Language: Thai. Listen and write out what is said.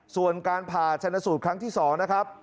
ส่วนการผ่าชนสูตรครั้งที่๒นะครับ